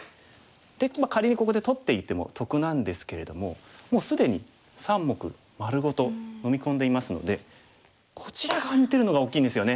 で仮にここで取っていても得なんですけれどももう既に３目丸ごと飲み込んでいますのでこちら側に出るのが大きいんですよね。